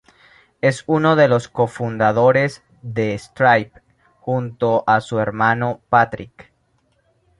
Es uno de los co-fundadores de Stripe junto a su hermano, Patrick.